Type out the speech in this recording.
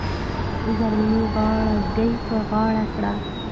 زرمینې غاړه ګۍ په غاړه کړه .